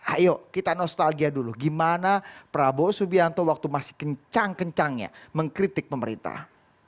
ayo kita nostalgia dulu gimana prabowo subianto waktu masih kencang kencangnya mengkritik pemerintah